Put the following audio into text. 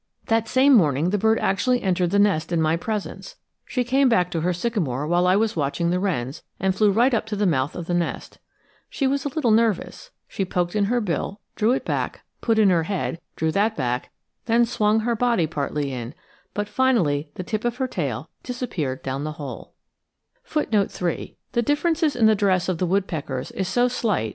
" That same morning the bird actually entered the nest in my presence. She came back to her sycamore while I was watching the wrens, and flew right up to the mouth of the nest. She was a little nervous. She poked in her bill, drew it back; put in her head, drew that back; then swung her body partly in; but finally the tip of her tail disappeared down the hole.